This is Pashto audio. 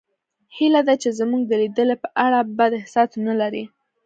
هیله ده چې زموږ د لیدنې په اړه بد احساس ونلرئ